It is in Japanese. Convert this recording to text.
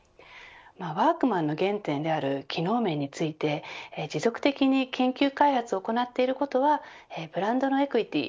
ワークマンの原点である機能面について持続的に研究開発を行っていることはプラントのエクイティ